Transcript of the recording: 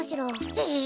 ええ？